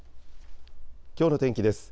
きょうの天気です。